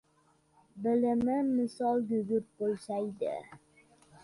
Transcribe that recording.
Bilimim misoli gugurt bo‘lsaydi